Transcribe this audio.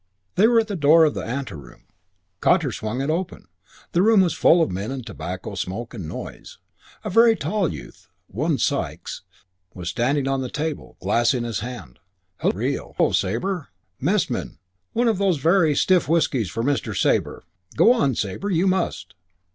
They were at the door of the anteroom. Cottar swung it open. The room was full of men and tobacco smoke and noise. A very tall youth, one Sikes, was standing on the table, a glass in his hand. "Hullo, Sabre! Messman, one of those very stiff whiskies for Mr. Sabre go on, Sabre, you must.